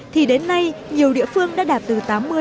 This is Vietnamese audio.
thì đến nay nhiều địa phương đã đạt từ tám mươi chín mươi